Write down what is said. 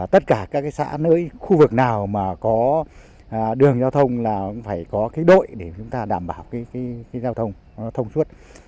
tất cả các cái xã nơi khu vực nào mà có đường giao thông là cũng phải có cái đội để chúng ta đảm bảo cái giao thông thông suốt